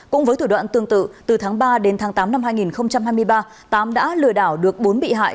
cũng với thủ đoạn tương tự từ tháng ba đến tháng tám năm hai nghìn hai mươi ba tám đã lừa đảo được bốn bị hại